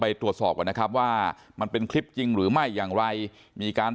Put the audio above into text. ตรวจสอบก่อนนะครับว่ามันเป็นคลิปจริงหรือไม่อย่างไรมีการ